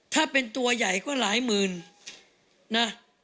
ถ้าเป็นตัวใหญ่ก็หลายหมื่นนะ